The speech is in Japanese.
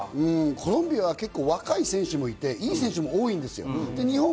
コロンビアは若い選手がいて、いい選手も多いんですよ。